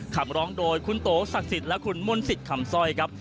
คำร้องโดยคุณโตสักศิษย์และคุณมนศิษย์คำซ่อยครับ